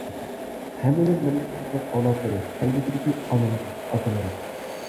ھەممىمىز مىللىتىمىزنىڭ ئەۋلادلىرى كەلگۈسىدىكى ئانىلىرى، ئاتىلىرى.